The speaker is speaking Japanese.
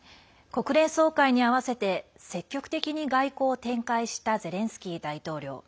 国連総会に合わせて積極的に外交を展開したゼレンスキー大統領。